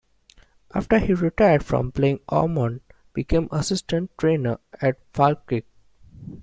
After he retired from playing, Ormond became assistant trainer at Falkirk.